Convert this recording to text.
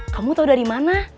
kamu tau dari mana